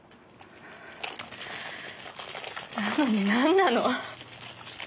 なのになんなの。